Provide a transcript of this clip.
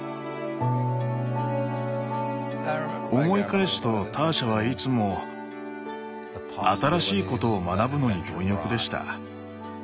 思い返すとターシャはいつも新しいことを学ぶのに貪欲でした。